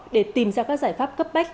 để tìm ra các giải pháp cấp bách